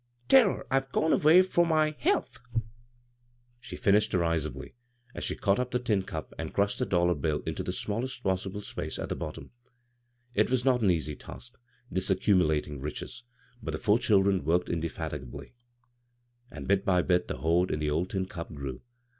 Tell her I've gone away for my health 1 " she fin ished derisively, as she caught up the tin cup, and crushed the dollar bill into the smallest possible space at the bottom. It was not an easy task — ^this accumulating riches ; but the four children worked inde^ti 136 b, Google CROSS CURRENTS gably, and bit by bit the hoard in the old tin cup grew.